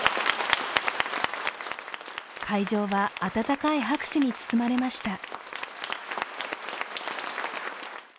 会場は温かい拍手に包まれました。